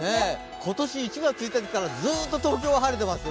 今年１月１日からずっと東京は晴れていますよね。